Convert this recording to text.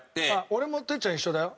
俺も哲ちゃん一緒だよ。